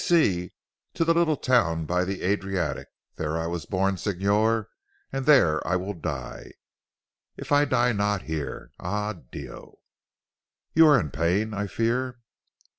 "Si! Si. To the little town by the Adriatic. There I was born Signor, and there will I die if I die not here. Ah Dio!" "You are in pain I fear?"